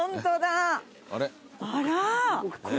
あら？